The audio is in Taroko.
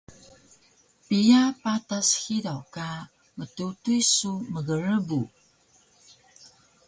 Piya patas hidaw ka mtutuy su mgrbu?